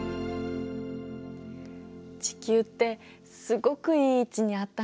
地球ってすごくいい位置にあったんだね。